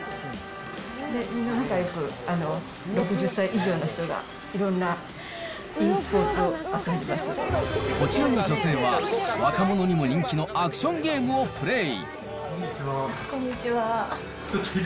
みんな仲よく、６０歳以上の人がいろんなｅスポーツを遊んでこちらの女性は、若者にも人気のアクションゲームをプレー。